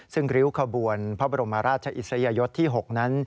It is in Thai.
ซึ่งริ้วขบวนพระบรมราชอิสยศที่๖นั้น